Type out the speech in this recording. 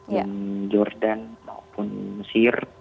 di jordan maupun mesir